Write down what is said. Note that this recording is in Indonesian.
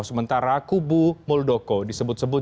sementara kubu muldoko disebut sebut